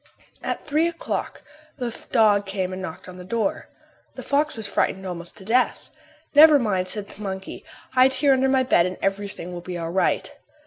At three o'clock the dog came and knocked at the door. The fox was frightened almost to death. "Never mind," said the monkey; "hide here under my bed and everything will be all right."